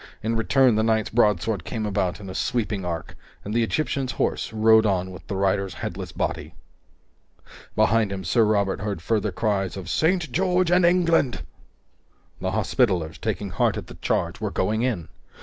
In return, the knight's broadsword came about in a sweeping arc, and the Egyptian's horse rode on with the rider's headless body. Behind him, Sir Robert heard further cries of "St. George and England!" The Hospitallers, taking heart at the charge, were going in!